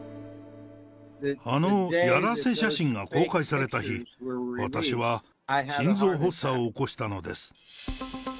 あのやらせ写真が公開された日、私は心臓発作を起こしたのです。